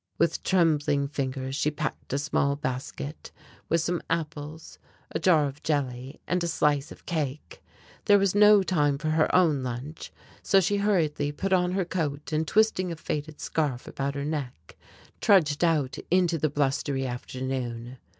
With trembling fingers she packed a small basket with some apples, a jar of jelly and a slice of cake. There was no time for her own lunch, so she hurriedly put on her coat and twisting a faded scarf about her neck trudged out into the blustery afternoon.